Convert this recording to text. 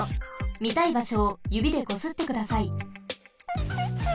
みたいばしょをゆびでこすってください。